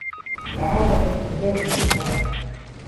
تعاطف المدرّس معي.